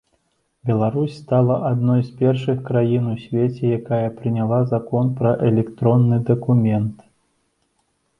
Беларусь стала адной з першых краін у свеце, якая прыняла закон пра электронны дакумент.